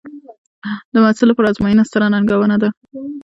د محصل لپاره ازموینه ستره ننګونه ده.